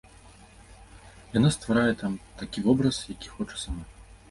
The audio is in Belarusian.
Яна стварае там такі вобраз, які хоча сама.